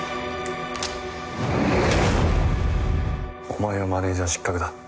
お前はマネージャー失格だ。